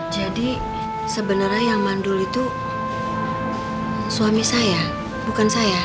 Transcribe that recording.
jadi sebenarnya yang mandul itu suami saya bukan saya